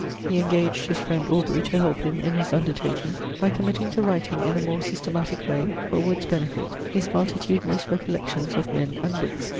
He engaged his friend Aubrey to help him in his undertaking, by committing to writing in a more systematic way, for Wood's benefit, his multitudinous recollections of men and books.